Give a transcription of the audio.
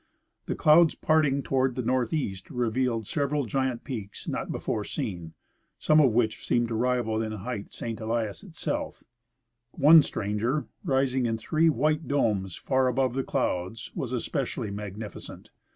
The clouds part ing toward the northeast revealed several giant peaks not before seen, some of which seem to rival in height St. Elias itself One stranger, rising in three white domes far above the clouds, was especially magnificent.